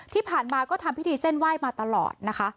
ที่ผ่านมาก็ทำพิธีเส้นไหว้มาตลอดนะคะ